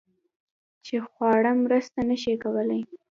چې خواړه مرسته نشي کولی